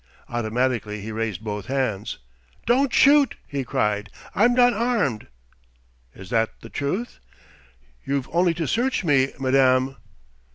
Automatically he raised both hands. "Don't shoot!" he cried. "I'm not armed " "Is that the truth?" "You've only to search me, madame!"